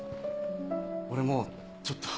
俺もうちょっと。